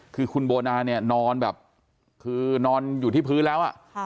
คือคุณโบนาเนี่ยนอนแบบคือนอนอยู่ที่พื้นแล้ว